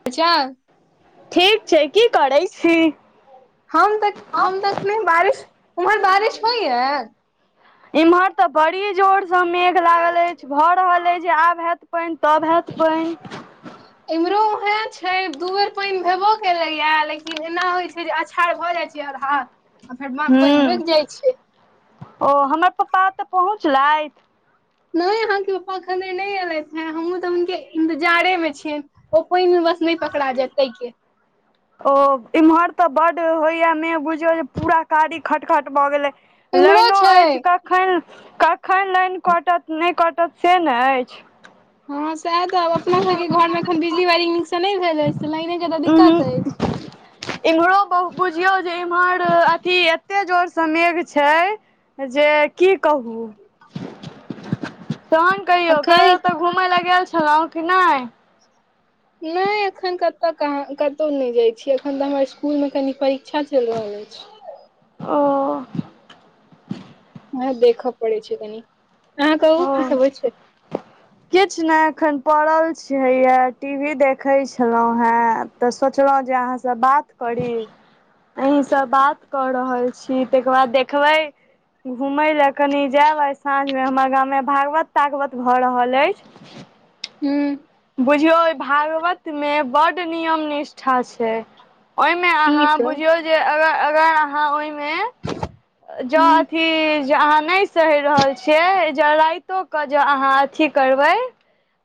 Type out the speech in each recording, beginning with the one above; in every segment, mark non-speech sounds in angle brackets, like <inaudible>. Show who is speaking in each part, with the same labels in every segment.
Speaker 1: <unintelligible>
Speaker 2: ठीक छै की करै छी
Speaker 1: हम तऽ हम तऽ एखने बारिश उमहर बारिश होय य
Speaker 2: इम्हर ते बड़ी जोर से मेघ लागल अछि भऽ रहल अछि जे आब हैयत आब होयत पइन तब हेत पानि
Speaker 1: एम्हरो उहे छै दू बेर पानि भेबो केले या लेकिन एना होय छै जे अछाड़ भए जाय छै र हाथ आ फेर म पानि
Speaker 2: हूँ
Speaker 1: रुकि जाइ छै
Speaker 2: ओ हमर पप्पा तऽ पहुँचलथि
Speaker 1: नहि अहाँके पापा एखन नहि एयलथि हे हमहूँ तऽ हुनके इन्तजारे मे छियनि ओ कोइ मे बस नहि पकड़ा जेय तैके
Speaker 2: ओ इम्हर तऽ बड होइया मे बुझियौ जे पूरा कारी खटखट भऽ गेले
Speaker 1: इम्हरो
Speaker 2: लाइनो
Speaker 1: छै
Speaker 2: अछि कखन कखन लाइन कटत नहि कटत से ने अछि
Speaker 1: हँ सएह त अपना सबके घर मे एखन बिजली व नसँ नहि भेल अछि से लाइने के तऽ
Speaker 2: उहूँ
Speaker 1: दिक्कत अछि
Speaker 2: इम्हरो बहु बुझियौ जे इम्हर अथी एते जोर से मेघ छै जे की कहू तहन कहियो
Speaker 1: अखन
Speaker 2: तऽ घुमय लए गेल छलहुँं कि नहि
Speaker 1: नहि एखन कतऽ कहाँ कतहु नहि जाइ छी एखन तऽ हमर स्कूल मे कनि परीक्षा चलि रहल अछि
Speaker 2: ओ
Speaker 1: ह देखऽ पड़ै छै कनि अहाँ
Speaker 2: ओ
Speaker 1: कहू की सब हो छै
Speaker 2: किछु नहि एखन पड़ल छैैय टी वी देख खै छलहुँ हेँ तऽ सोचलहुँ जे अहाँसँ बात करी अहीं सब बात कर रहल छी तकर बाद देखबे घूमे ला कनि जायब आ साँझ मे हमरा गाम मे भागवत तागवत भऽ रहल अछि
Speaker 1: हू
Speaker 2: बुझियौ भागवत मे बड नियम निष्ठा छै ओहि में
Speaker 1: की
Speaker 2: अहाँ
Speaker 1: सब
Speaker 2: बुझियो जे अगर अगर अहाँ ओहि मे जो
Speaker 1: हूं
Speaker 2: अथी जे अहाँ नहि सहि रहल छियै जे रातो के जे अहाँ अथी करबै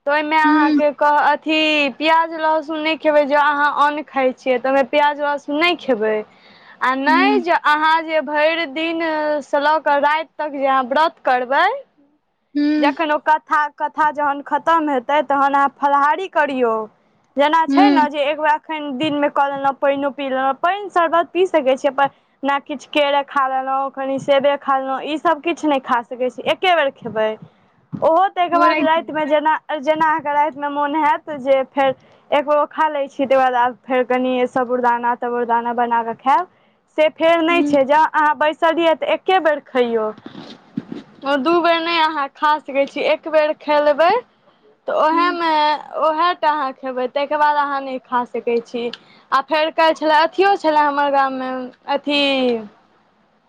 Speaker 2: तऽ ओहिमे
Speaker 1: हूं
Speaker 2: अहाँके कह अथी प्याज लहसुन नहि खेबै ज अहाँ अन्न खाइ छियै तऽ ओहिमे प्याज लहसुन नहि खेबै आ नहि
Speaker 1: हूं
Speaker 2: जे अहाँ जे भरि दिन से ल क राति तक जे अहाँ व्रत करबे
Speaker 1: हू
Speaker 2: जखन ओ कथा कथा जखन खतम हेतै तखन अहाँ फलाहारी करियौ जेना छै ने
Speaker 1: हूं
Speaker 2: जे एक बे एखन दिनमे कऽ लेलहुँ पानिओ पी लेलहुँ पानि शरबत पी सकैत छी अपन ने किछु केरे खा लेलहुँ कनि सेबे खा लेलहुँ ईसभ किछु नहि खा सकैत छी एके बेर खेबै ओहो ताहिके
Speaker 1: हो
Speaker 2: बाद
Speaker 1: राति मे
Speaker 2: रातिमे जेना जेना अहाँके रातिमे मोन हत जे फेर एकगो खा लै छी तहिकर बादब फेर कनि साबुरदाना ताबुरदाना बना कऽ खायब से फेर नहि
Speaker 1: हूं
Speaker 2: छै ज अहाँ बैस एके बेर खैयौ दूबे नहि अहाँ खा सकै छी एक बेर खेलबै तऽ
Speaker 1: हूं
Speaker 2: ओएहेमे ओएह कटा अहाँ खेबै ताहिके बाद अहाँ नहि खा सकै छी आ फेर कहाल छलय अथियो छलय हमर गाममे अथी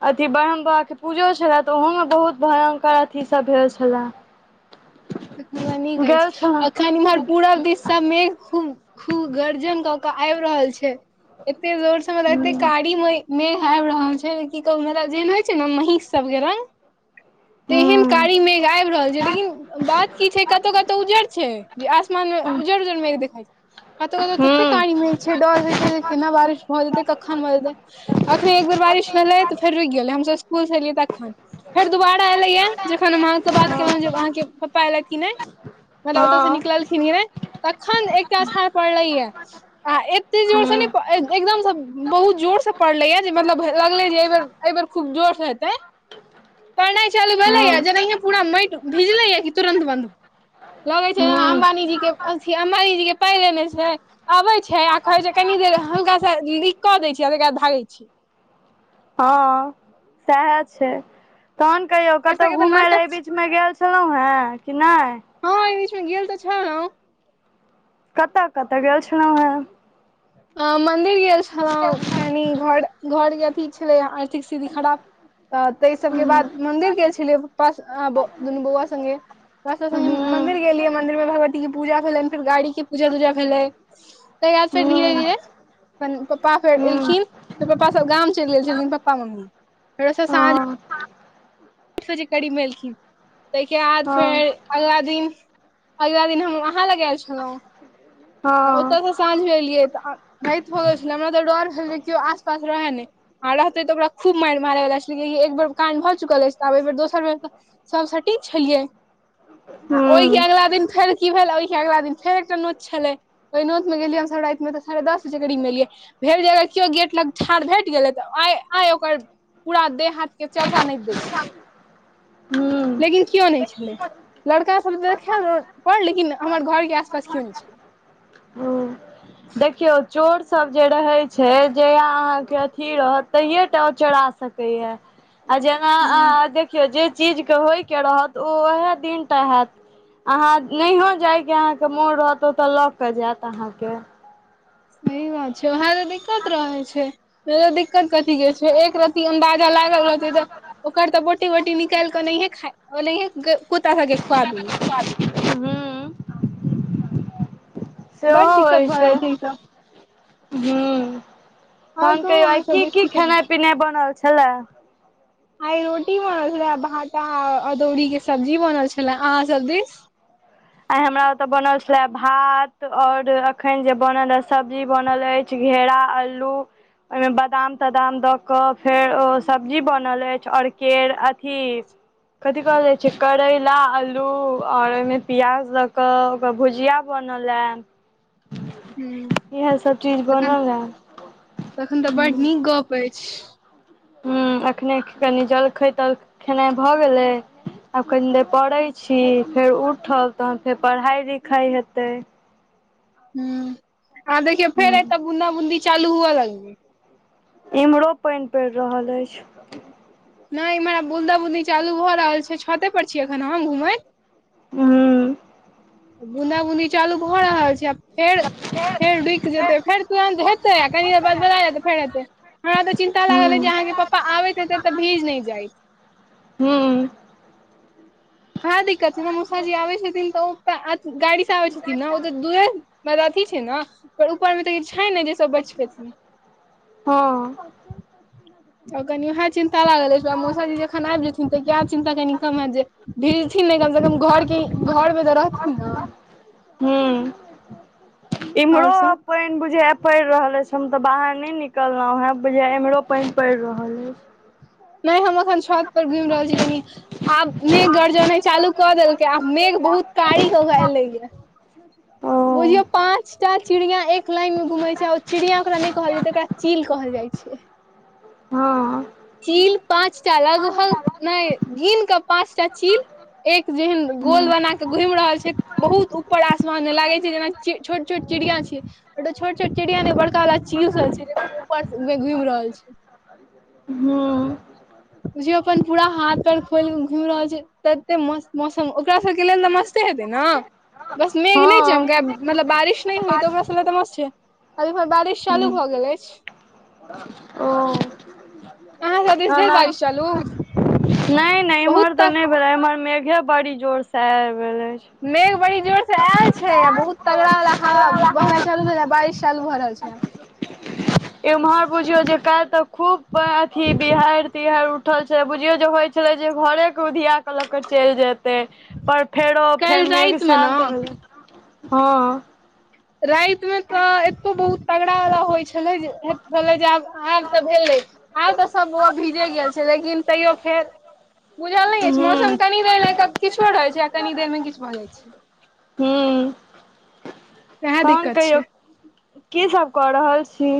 Speaker 2: अथी ब्रह्म बाबा के पूजो छले त ओहो मे बहुत भयंकर अथी सब भेल खेल
Speaker 1: तऽ खब न गै छै
Speaker 2: छलहुँ
Speaker 1: अखान इमहर पूरब दिस सब मेघ खूब खूब गर्जन क के आब रहल छै एतेक जोर से मलब एत कारी में मेघ ख आबि रहल छै की कह म जेहन होइ छै ने महीष सब के रंग तेहन
Speaker 2: हूँ
Speaker 1: कारी मेघ आबि रहल छै लेकिन बात की छै कतहु कतौ उजर छै जे आसमान मे उजर उजर मेघ देखइ छै कतहु कतहु तते
Speaker 2: हूँ
Speaker 1: कानी मिल छै डर होइ छै केना बारिश भऽ जेतै कखन भऽ जेतै अखने एक बेर बारिश भेलै तऽ फेर रुकि गेलै हमसब स्कुलसँ एलियै तखन फेर दुोबारा एलेये जखन हम अहाँं से बात केलहुं जे अहाँ के पा एल कि नहि मतलब ओतय से
Speaker 2: हँ
Speaker 1: निकललखिन कि नहि तखन एकटा अछाड़ पड़ले य आ एते जोर से ने
Speaker 2: हँ
Speaker 1: एकदम बहुत जोर से पड़ले य जे मतलब लगले जे एहि बेर एहि बेर खूब जोर से हेतै पढ़नाइ चलू भेलै
Speaker 2: हूँ
Speaker 1: जेनाे पूरा माटि भिजले या कि तुरन्त बन्द लगे छै
Speaker 2: हूँ
Speaker 1: जेना
Speaker 2: हूँ
Speaker 1: अंबानी जी के अथी अंबानी जी के पाइ लेने छै अबे छै आ कहै छै कनी देर हुनका से लिख कऽ दै छियै ताद भागै छी
Speaker 2: हँ सएह छै तहन कहियौ
Speaker 1: एकर
Speaker 2: कतहु
Speaker 1: सबके तऽ
Speaker 2: घुमे ल
Speaker 1: नाटक छै
Speaker 2: एबी ब मे गेल छलहुँं हेँ कि नहि
Speaker 1: हँ एहि बीचमे गेल तऽ छलहुँ
Speaker 2: कतऽ कतऽ गेल छलहुँ हेँ
Speaker 1: अ मंदिर गेल छलहु कनि घर घर के अथी छलै आर्थिक स्थिति खराब तऽ ताहि सबके बाद मंन्दिर गेल छलियै प्पा दुनू बौआ सङ्गे ब स
Speaker 2: हूँ
Speaker 1: मन्दिर गेलियै मन्दिर मे भगवती पूजा भेलै फेर गाड़ी के पूजा तूजा भेलै ताद फेर धीरे
Speaker 2: हूँ
Speaker 1: धीरे फ पप्पा फेर
Speaker 2: हूँ
Speaker 1: एलखिन फेर पप्पा सब गाम चलि गेल छलखिन पप्पा मम्मी फेर साँझी
Speaker 2: हँ
Speaker 1: आठ बजे करीमे एलखिन ताहिके बाद
Speaker 2: हँ
Speaker 1: फेर अगला दिन अगला दिन हम आहाँ लग एल छलहुँ
Speaker 2: हँ
Speaker 1: ओता स साँझ मे एलियै तऽ राति भ गेल छलै हमरा तऽ डर भेल रह केओ आसपास रहे नहि आ रहते तऽ ओकरा खूब मारि मारेवला छै लेक एक बेर कान भऽ चुकल अछि त आब एहि बेर दोसर बेर तऽ सबस टी छलियै आ ओहिके
Speaker 2: हूँ
Speaker 1: अगिला दिन फेर की भेल ओहिके अगिला दिन फेर एकटा नोत छलै वोई नोथ में गेलियै हमरााति मे त साढ़े दस बजे करीब मे एलियै भेल जे अगर केओ गेट लग ठाढ़ भेट गेलै तऽ आइ आ ओकर पूरा देह हाथ के चर्चा नहि द छै
Speaker 2: हूँ
Speaker 1: लेकिन कओ नहि छलै लड़कासभ तऽ देख पर लेकिन हमर घरके आसपास कओ नहि छलै
Speaker 2: ओ देखिऔ चोर सब जे रहय छै जहिया अहाँके अथी रहत तहिये टा ओ चोरा सक कहिए आ जेना
Speaker 1: हँ
Speaker 2: अहाँ देख जे चीजके होइके रहत ओ ओएह दिनटा हैत अहाँ नहियो जायके अहाँके मोन रहत ओतऽ लऽ के जैत अहाँके
Speaker 1: सही बात छै वएह तऽ दिक्कत रहै छै दिक्कत कथी के छै एक रत अंबाजा लागल रहते तऽ ओकर तऽ बोटी बोटी निकाल कऽ ओनाये खा ओनाये ग कूत्ता सभ के खुआ दियो
Speaker 2: हूं सेहो
Speaker 1: बड दिक्कत
Speaker 2: होइ
Speaker 1: भऽ
Speaker 2: छै
Speaker 1: जाइ ई सब
Speaker 2: हूं
Speaker 1: आओर
Speaker 2: तहन
Speaker 1: कहू
Speaker 2: कहियौ आइ
Speaker 1: अहाँ सब
Speaker 2: की
Speaker 1: दिस
Speaker 2: की
Speaker 1: सब होइ
Speaker 2: खेनाइ
Speaker 1: छै
Speaker 2: पिनाइ बनल छलए <inaudible>
Speaker 1: आइ रोटी बनल छले भटा अदौड़ीक के सब्जी बनल छलए अहाँसभ दिस
Speaker 2: आय हमरा ओताे बनल छले भात और अखन जे बनल सब्जी बनल अछि च घेरा आलू ओइमे बादाम तादाम द कऽ फेर ओ सब्जी बनल अछि और केर अथी कथि कहल जाइ छै करैला आलू ओर ओहिमे पियाज दऽ कऽ ओकर भुजिया बनल यै
Speaker 1: हूँ
Speaker 2: चीज
Speaker 1: तखन
Speaker 2: बनल ए
Speaker 1: तखन तऽ बड नीक गप अछि
Speaker 2: हूँ अखने कनि जलखैत तल खेनाइ भऽ गेलै आब कनि देर पड़े छी फेर उठब तहन फेर पढ़ाइ लिखाइ हेतै
Speaker 1: हूँ आह देखियौ फेर ए
Speaker 2: हूँ
Speaker 1: तऽ बून्दा बूंदी चालू हुए लगलै
Speaker 2: इम्हरो पनि पड़ि रहल अछि
Speaker 1: नहि इमहर बुन्दा बुदी चालू भऽ रहल छै छते पर छीयै अखन हम घुमैत
Speaker 2: हूँ
Speaker 1: बुना बुनी चालू भऽ रहल छै आ फेर फेर रुइक जेतै फेर तुरंत हेतै आ कनि देर बाद बला जेतै फेर एतै हमरा तऽ चिन्ता लागल अछि जे
Speaker 2: हूँ
Speaker 1: अहाँके पप्पा आबैत हेतै तऽ भीज नहि जाइत
Speaker 2: हम्म
Speaker 1: हँ दिक्कत छै मौसा जी आबै छथिन त ओ त गाड़ी से आबै छथि ने ओ तऽ दूर अथी छै ने ऊपर में तऽ ई छै ने जे सब बच पेथिन
Speaker 2: हँ
Speaker 1: उ कनि उएह चिन्ता लागल अछि मौसा जी जखन आबि जेथिन तऽ क चिन्ता कनि कम हैत जे भीड़ थिन ने कम से कम घर के घर मे तऽ रहथिन ने
Speaker 2: हूं
Speaker 1: आओर
Speaker 2: इमरो
Speaker 1: सब
Speaker 2: पनि बुझाय पड़ि रहल अछि हम तऽ बाहर नहि निकलहुॅं हें बुझाय एम्हरो पानि पड़ि रहल अछि
Speaker 1: नय हम अखन छत पर घुमि रहल छी कनी आब मेघ गरजनाइ चालू कऽ देलकै आ मेघ बहुत कारी हो गेल एले यै
Speaker 2: ओ
Speaker 1: बुझियौ पाँचटा चिड़िया एक लाइन में घुम छै ओ चिड़िया ओकरा नय कहल जैते ओकरा चील कहल जाय छै
Speaker 2: हँ
Speaker 1: चील पाँचटा लगभग ने घिन के पाँचटा चील एक जेहन गोल
Speaker 2: हूँ
Speaker 1: बना के घुमि रहल छै बहुत ऊपर आसमान में लागे छै जेना छोट छोट चिड़िया छी छोट छोट चिड़िया ने बड़ काला चील सॅं छै जे उपरघुमि रहल छै
Speaker 2: हं
Speaker 1: जे अपन पूरा हाथ पैर खोल घुमि रहल छै तते मस्त मौसम ओकरा सबके लेल तऽ मस्ते हेतै ने बस मेघ नहि चमकै ब मतलब बारिश नहि होय तऽ ओकराँ सब लेल त मसत छै आब एमहर बारिश चालू भऽ गेल अछि
Speaker 2: ओ
Speaker 1: हँ सब दिस भेल
Speaker 2: ओना
Speaker 1: बारिश चालु
Speaker 2: नहि नहि इम्हर तऽ नहि भेले एम्हर मेघे बड़ी जोर से आबि गेल अछि
Speaker 1: मेघ बड़ी जोर से आयल छै आ बहुत तगड़ावला हावा बहना चलू ह बारिश चालू भरहल छै
Speaker 2: इम्हर बुझियो जे काल तऽ खूब अथी बिहाड़ि तिहारि उठल छल बुझियौ जे होइत छलै जे घरेके उधिया कऽ लऽ कऽ चलि जायत ते पर फेरो
Speaker 1: काल्हि
Speaker 2: फेर मेघ
Speaker 1: रातिमे ने
Speaker 2: शान्त भलइ हँ
Speaker 1: राति में तऽ एतो बहुत तगड़ा वला होइ छलै छलै जे आब आब त भेलै आर तऽ सब भीजे गेल छै लेकिन तैयो फेर बुझल नहि अछि
Speaker 2: हूँ
Speaker 1: मौसम कनी देर लए क किछो रहै छै कनी देर मे किछ भऽ जाइ छै
Speaker 2: हम्म
Speaker 1: वएह दिक्कत छै
Speaker 2: की सब कऽ रहल छी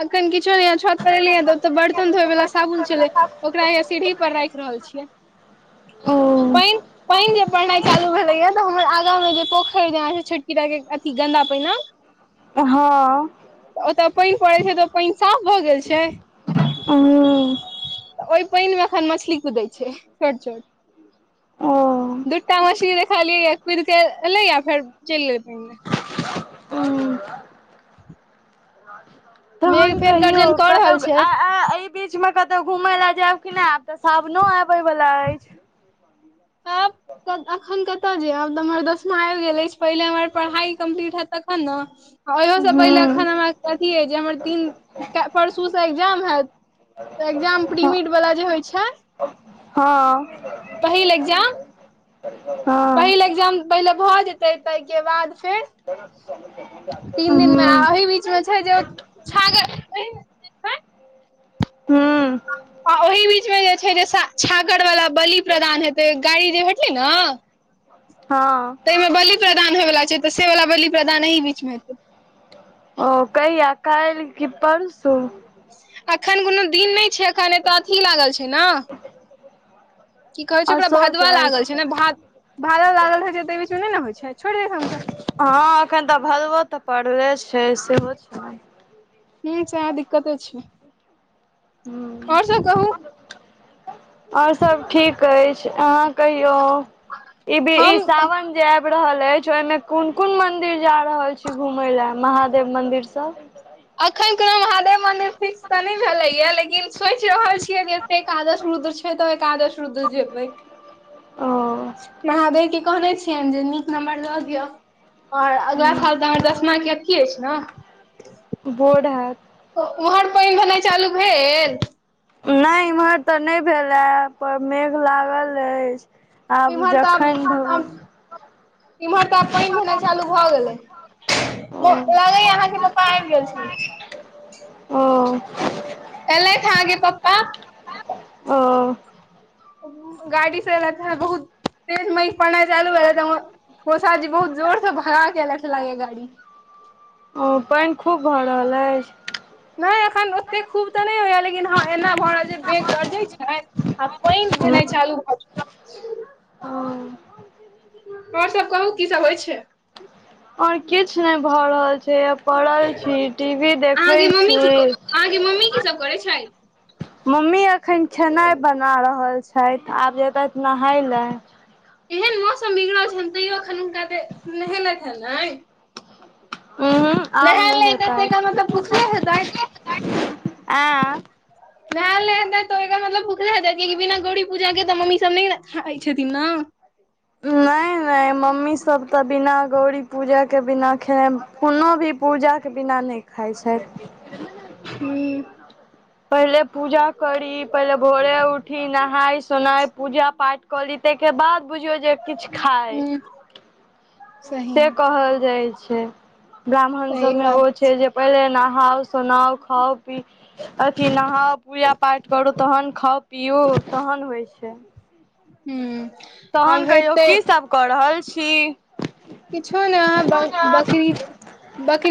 Speaker 1: अखन किछु ने छत पर एलै ह तऽ ओतऽ बर्तन धोय वा साबुन छलै ओकरा यहे सीढ़ी पर राखि रहल छियै
Speaker 2: हँ
Speaker 1: पनि पनि जे पढ़नाइ चालू भेलैए तऽ हमर आगाँमे जे पोख खरीदना छै छोटकीदायके अथि गन्दा पानने
Speaker 2: हँ
Speaker 1: ओतऽ पानि पड़ैत छै तऽ पानि साफ भऽ गेल छै
Speaker 2: ओ
Speaker 1: तऽ ओहि पानि में एखन मछली कुदै छै छोट छोट
Speaker 2: हूँ
Speaker 1: दूटा मछली देखलिय कुद के एले या फेर चले एथिने
Speaker 2: ओ तहन
Speaker 1: मेघ फेर
Speaker 2: कहियौ
Speaker 1: गर्जन कऽ रहल छै
Speaker 2: कतहु बीच में कतौ घूमय ले जायब कि नहि आयब तऽ सावनो आबे वाला अछि
Speaker 1: आब अखन कतय जेयब आब तऽ हमर दसमा आबि गेल अछि पहिले हमर पढ़ाई कम्प्लीट हेत त खन न ओहियो से पहिले
Speaker 2: हूँ
Speaker 1: अखन हमरा कथी हइ जे हमर तीन परसू से एग्जाम हयत तऽ एग्जाम प्रीमेड वाला जे होइ छै
Speaker 2: हँ
Speaker 1: पहील एग्जाम पहिल
Speaker 2: हँ
Speaker 1: एग्जाम पहिले भऽ जेते ताहिके बाद फेर
Speaker 2: हूँ
Speaker 1: में छै जे छै जे छागर
Speaker 2: हं
Speaker 1: आ ओहि बीचमें जे छै जे छागर वला बलि प्रदान हेतै गाड़ी जे भेटलै ने
Speaker 2: हँ
Speaker 1: तइ में बलि प्रदान होयवला छै तऽ से वला बलि प्रदान एही बीच मे हेतै
Speaker 2: ओ कहिया काइल की परसू
Speaker 1: अखन कोनो दिन नहि छै एखन एतऽ अथी लागल छै ने की कहै छै
Speaker 2: आ
Speaker 1: ओकरा
Speaker 2: सोच
Speaker 1: भदवा लागल
Speaker 2: अछि
Speaker 1: छै ने भ भागल लागल रहै छै त बीचमे नहि ने होइ छै छोड़ि जा हमसब
Speaker 2: हँ एखन तऽ भदबो तऽ पड़ले छै सेहो छै
Speaker 1: ह छै दिक्कते छै
Speaker 2: हूँ
Speaker 1: ओर सब कहू
Speaker 2: ओर सब ठीक अछि अहाँ कहियो ई भी ई
Speaker 1: हम
Speaker 2: सावन जे आबि रहल अछि ओहिमे कोन कोन मंदिर जा रहल छी घुमय ल महादेव मंदिर सब
Speaker 1: अखन कोनो महादेव मंदिर फिक्स तऽ नहि भेले या लेकिन सोचि रहल छियै जे एते एकादश रुद्र छै तऽ एकादश रुद्र जेबै
Speaker 2: ओ
Speaker 1: महादेव के कहने छियै जे नीक नम्बर दऽ दियअ आऔर अगिला साल तऽ हमर दसमा के अथी अछि न
Speaker 2: बोर्ड आ
Speaker 1: उम्हर पनि भेनाइ चालू भेल
Speaker 2: नहि इम्हर तऽ नहि भेल‌ यै पर मेघ लागल अछि आब
Speaker 1: इमहर तऽ आब
Speaker 2: जखन
Speaker 1: इमहर तऽ आब पानि भेनाइ चालू भए गेलै
Speaker 2: ओ
Speaker 1: लागैया अहाँके पप्पा आबि गेल छै
Speaker 2: ओ
Speaker 1: एलैथ अहाँके पप्पा
Speaker 2: ओ
Speaker 1: गाड़ी से एलेथ है बहुत तेज मेघ परना चालू भेल तऽ मोसा जी बहुत जोर से भगा कल लागे गाड़ी
Speaker 2: ओ पानि खूब भऽ रहल अछि
Speaker 1: नहि एखन ओते खूब तऽ नहि होया लेकिन हँ एना भड़ रहल जे मेघ गर्जय छै आ पानि देनाइ
Speaker 2: अछि
Speaker 1: चालू भऽ
Speaker 2: हूँ
Speaker 1: आओर सब कहू की सब होइ छै
Speaker 2: और किछु नहि भए रहल छै परल छी टीवी देखे
Speaker 1: अहाँके मम्मी
Speaker 2: छी
Speaker 1: की अहाँके मम्मी की सब करे छै
Speaker 2: मम्मी अखन खेनाइ बना रहल छथि आब जेतथ नहाइ लै
Speaker 1: एहन मौसम बिगड़ल छैन तैयो एखन हुनका ते नहेलथि हे नहि
Speaker 2: उ हूं आब
Speaker 1: हेतैथ
Speaker 2: नहेतै
Speaker 1: तऽ एकर मतलब भुखले हेतैथ
Speaker 2: आ <inaudible>
Speaker 1: भए नहि हेत तऽ ओ मतलब भुखल हेतै कियि कि बिना गौरी पूजा के तऽ मम्मी सब नहि ने खाइ छथिन न
Speaker 2: नहि नहि मम्मी सब तऽ बिना गौरी पूजा के बिना खेनै कोनो भी पूजा के बिना नहि खाइ छै
Speaker 1: हूँ
Speaker 2: पहिले पूजा करी पहिले भोरे उठी नहाय सोनाय पूजा पाठ करी ताहिके बाद बुझियौ जे किछु खाय
Speaker 1: हूँ सही
Speaker 2: से कहल जाइ छै ब्राह्मण सब
Speaker 1: सही
Speaker 2: में ओ
Speaker 1: बात
Speaker 2: छै जे पहिले नहाओ सोनाओ खाउ पी अथी नहाउ पूजा पाठ करू तहन खाउ पियू तहन होइ छै
Speaker 1: हूँ
Speaker 2: तहन
Speaker 1: आब
Speaker 2: कहियौ
Speaker 1: हेतै
Speaker 2: की सभ कऽ रहल छी
Speaker 1: किछो ने अ बकरी बकरी